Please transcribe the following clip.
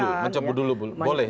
mencabut dulu boleh